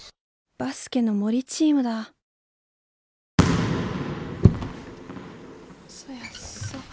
バスケの森チームだ嫌やなあ。